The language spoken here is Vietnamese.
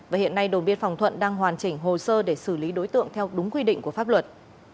và hiện nay đồn biên phòng thuận đang hoàn chỉnh hồ sơ để xử lý đối tượng theo đúng quy định của pháp luật